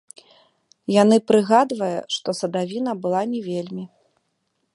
Яны прыгадвае, што садавіна была не вельмі.